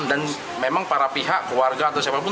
dan memang para pihak keluarga atau siapa pun